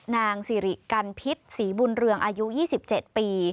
นางสิริกันพิษศรีบุญเรืองอายุ๒๗ปี